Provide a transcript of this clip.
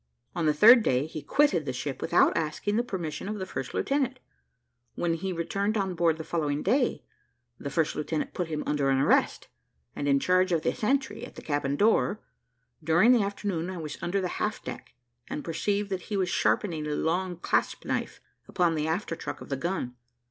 On the third day, he quitted the ship without asking the permission of the first lieutenant; when he returned on board the following day, the first lieutenant put him under an arrest, and in charge of the sentry at the cabin door. During the afternoon I was under the half deck, and perceived that he was sharpening a long clasp knife upon the after truck of the gun.